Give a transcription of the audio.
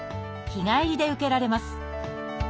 日帰りで受けられます。